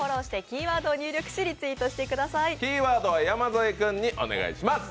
キーワードは山添君にお願いします。